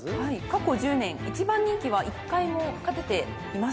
過去１０年１番人気は１回も勝てていません。